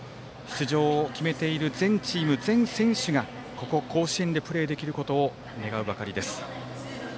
出場を決めている全チーム、全選手がここ、甲子園でプレーできることを願うばかりです。